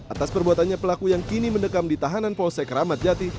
atas perbuatannya pelaku yang kini mendekam di tahanan polsek ramadjati